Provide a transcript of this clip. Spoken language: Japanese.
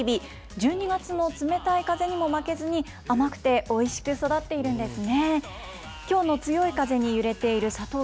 １２月の冷たい風にも負けずに、甘くておいしく育っているんですね。